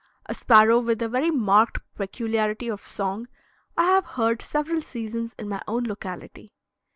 A sparrow with a very marked peculiarity of song I have heard several seasons in my own locality.